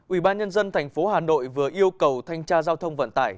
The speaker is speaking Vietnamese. ủy ban nhân dân tp hà nội vừa yêu cầu thanh tra giao thông vận tải